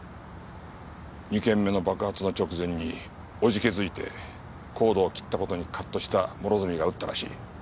２件目の爆発の直前に怖気づいてコードを切った事にカッとした諸角が撃ったらしい。